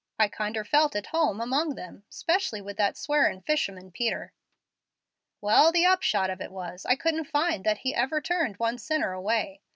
I'd kinder felt at home among 'em, 'specially with that swearin' fisherman Peter. "Well, the upshot of it was, I couldn't find that He ever turned one sinner away.